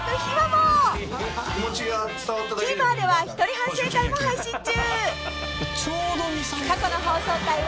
［ＴＶｅｒでは一人反省会も配信中］